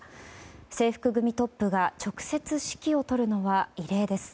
制服組トップが直接指揮を執るのは異例です。